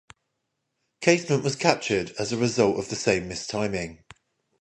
Casement was captured as a result of the same mistiming.